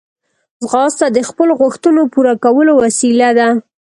ځغاسته د خپلو غوښتنو پوره کولو وسیله ده